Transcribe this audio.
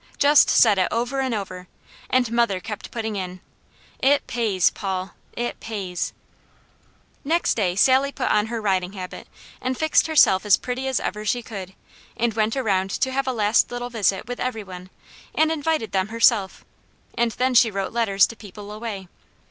Just said it over and over, and mother kept putting in: "It pays, Paul! It pays!" Next day Sally put on her riding habit and fixed herself as pretty as ever she could, and went around to have a last little visit with every one, and invited them herself, and then she wrote letters to people away.